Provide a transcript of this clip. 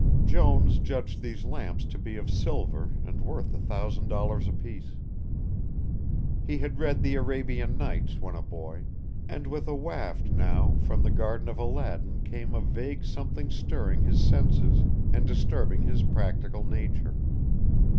Jones judged these lamps to be of silver and worth a thousand dollars apiece. He had read the Arabian Nights when a boy, and like a waft now from the garden of Aladdin came a vague something stirring his senses and disturbing his practical nature.